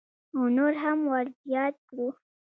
او نور هم ورزیات کړو.